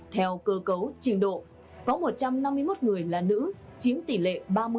theo cơ cấu trình độ có một trăm năm mươi một người là nữ chiếm tỷ lệ ba mươi hai mươi sáu